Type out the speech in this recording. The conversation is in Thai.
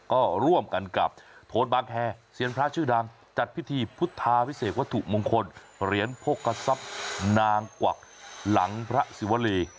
ก็ร่วมกันกับโทนบางแคร์เซียนพระชื่อดังจัดพิธีพุทธาพิเศษวัตถุมงคลเหรียญโภกษัพนางกวักหลังพระศิวรี